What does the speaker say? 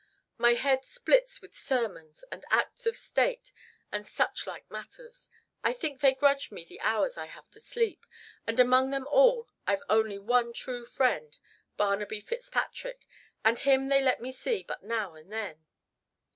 My head splits with sermons, and acts of state, and such like matters. I think they grudge me the hours I have to sleep. And among them all I've only one true friend, Barnaby Fitzpatrick, and him they let me see but now and then."